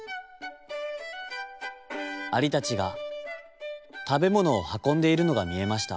アリたちがたべものをはこんでいるのがみえました。